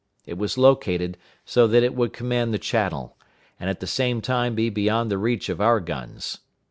It was located so that it would command the channel, and at the same time be beyond the reach of our guns.